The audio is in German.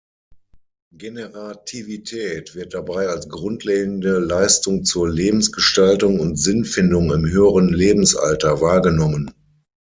Generativität wird dabei als grundlegende Leistung zur Lebensgestaltung und Sinnfindung im höheren Lebensalter wahrgenommen.